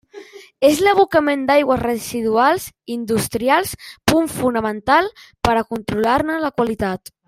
És l'abocament d'aigües residuals industrials punt fonamental per a controlar-ne la qualitat.